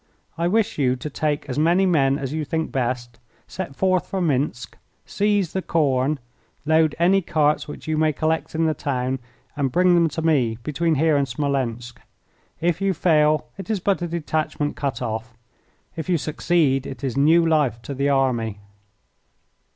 I wish you to take as many men as you think best, set forth for Minsk, seize the corn, load any carts which you may collect in the town, and bring them to me between here and Smolensk. If you fail it is but a detachment cut off. If you succeed it is new life to the army."